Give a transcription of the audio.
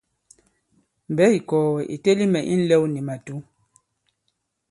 Mbɛ̌ ì kɔ̀gɛ̀ ì teli mɛ̀ i ǹlɛw nì màtǔ.